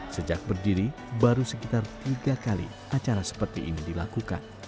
sejak berdiri baru sekitar tiga kali acara seperti ini dilakukan